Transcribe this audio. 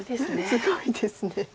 すごいです。